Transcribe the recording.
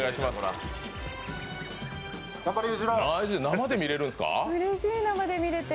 生で見れるんですか？